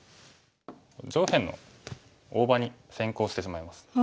上辺の大場に先行してしまいます。